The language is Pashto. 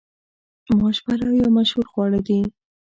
ماش پلو یو مشهور خواړه دي.